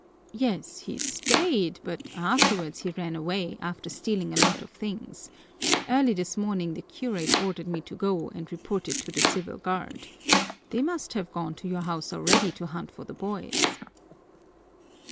"Yes, he stayed, but afterwards he ran away, after stealing a lot of things. Early this morning the curate ordered me to go and report it to the Civil Guard. They must have gone to your house already to hunt for the boys."